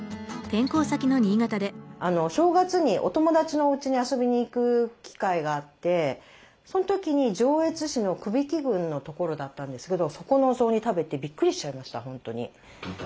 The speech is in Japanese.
お正月にお友達のおうちに遊びに行く機会があってその時に上越市の頸城郡のところだったんですけどそこのお雑煮食べてびっくりしちゃいました本当に。